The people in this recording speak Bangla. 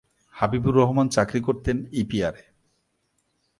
হাবিবুর রহমান চাকরি করতেন ইপিআরে।